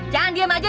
jangan diem aja